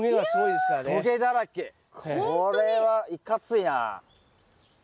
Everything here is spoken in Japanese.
これはいかついな。